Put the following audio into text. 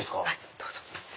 どうぞ。